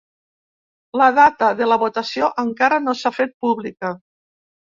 La data de la votació encara no s’ha fet pública.